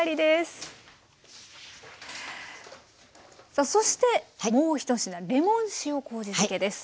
さあそしてもう１品レモン塩こうじ漬けです。